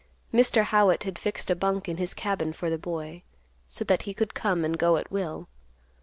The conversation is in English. Mr. Howitt had fixed a bunk in his cabin for the boy, so that he could come and go at will.